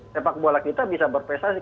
sepak bola kita bisa berpesa sih